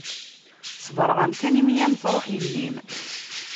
Ṣebreɣ-am kan imi i am-truḥ yelli-m.